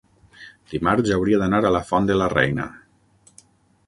Dimarts hauria d'anar a la Font de la Reina.